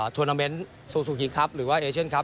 ชีวิตสูงสลิคครับหรือว่าเอเชียนครับ